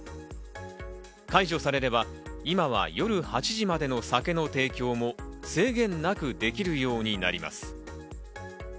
解除されれば、今は夜８時までの酒の提供も制限なくできるようになります。